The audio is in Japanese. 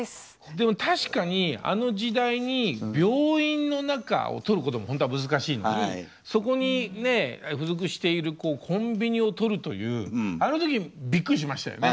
でも確かにあの時代に病院の中を撮ることもほんとは難しいのにそこにね付属しているコンビニを撮るというあの時びっくりしましたよね。